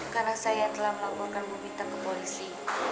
karena saya yang telah melaporkan bumita ke polisi